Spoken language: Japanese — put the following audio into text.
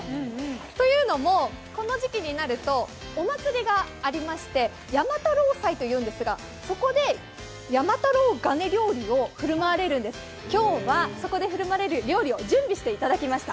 というのも、この時期になると、お祭りがありまして山太郎祭というんですがそこで山太郎ガネ料理を振る舞われるんです、今日はそこで振る舞われる料理を準備していただきました。